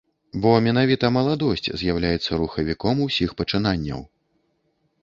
Бо менавіта маладосць з'яўляецца рухавіком усіх пачынанняў.